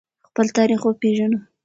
خپل تاریخ وپیژنو.